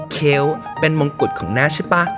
เคี้ยวเป็นมงกุฎของน้าใช่ป่ะ